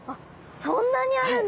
そんなにあるんですか！？